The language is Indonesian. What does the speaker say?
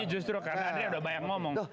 ini justru karena andre sudah banyak ngomong